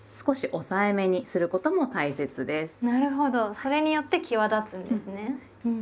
それによって際立つんですね。